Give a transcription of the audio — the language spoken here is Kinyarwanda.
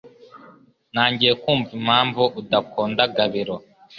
Ntangiye kumva impamvu udakunda Gabiro